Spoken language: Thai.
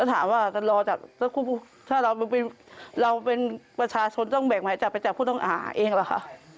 แล้วถามว่าแต่รอจับแล้วก็ถ้าเราเป็นเราเป็นประชาชนต้องแบ่งไหมจับไปจับผู้ต้องการเองเหรอคะ